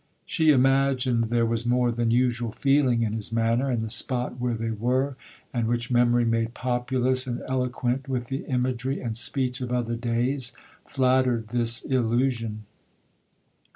She imagined there was more than usual feeling in his manner; and the spot where they were, and which memory made populous and eloquent with the imagery and speech of other days, flattered this illusion.